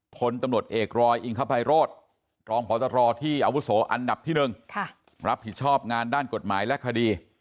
พลตำรวจเอกรอยอิงคภัยโรธรองพตรที่อาวุโสอันดับที่๑รับผิดชอบงานด้านกฎหมายและคดี